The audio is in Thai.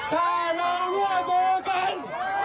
ถ้าเราร่วมกัน